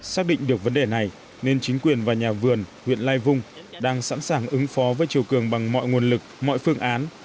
xác định được vấn đề này nên chính quyền và nhà vườn huyện lai vung đang sẵn sàng ứng phó với chiều cường bằng mọi nguồn lực mọi phương án